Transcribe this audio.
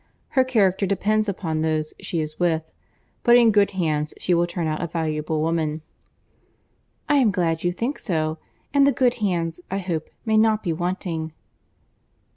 Her character depends upon those she is with; but in good hands she will turn out a valuable woman." "I am glad you think so; and the good hands, I hope, may not be wanting."